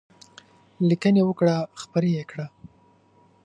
لیکنې وکړه خپرې یې کړه.